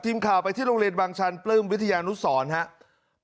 ทีมข่าวไปที่โรงเรียนบางชันปลื้มวิทยานุสรครับ